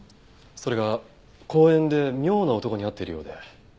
それが公園で妙な男に会っているようで。